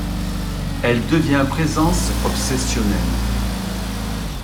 Elle devient présence obsessionnelle.